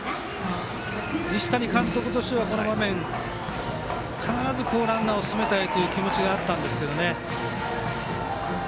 西谷監督としてはこの場面必ずランナーを進めたいという気持ちがあったんですけど。